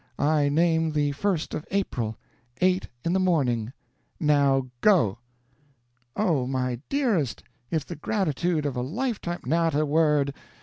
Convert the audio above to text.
I name the 1st of April eight in the morning. NOW GO!" "Oh, my dearest, if the gratitude of a lifetime " "Not a word.